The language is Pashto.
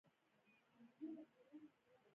د غوټیو ورتولو ته ډنډار وایی.